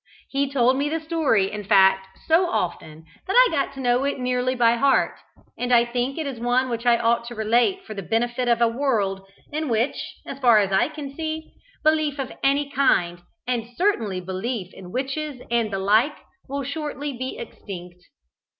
He told me the story, in fact, so often, that I got to know it nearly by heart; and I think it is one which I ought to relate for the benefit of a world, in which, as far as I can see, belief of any kind, and certainly belief in witches and the like, will shortly be extinct.